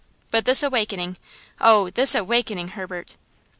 But this awakening. Oh! this awakening, Herbert!"